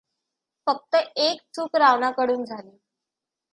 फक्त एक चूक रावणाकडून झाली.